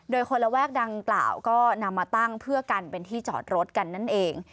โดยคนระแวกดังกล่าวก็นำมาตั้งเพื่อกันเป็นที่จอดรถกันนั่นเอง